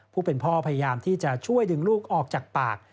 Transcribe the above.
ผู้เป็นพ่อพยายามที่จะช่วยดึงลูกออกจากปาก